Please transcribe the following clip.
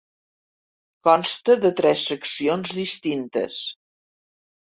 Consta de tres seccions distintes.